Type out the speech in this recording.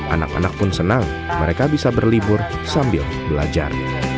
anak anak pun senang mereka bisa berlibur sambil belajar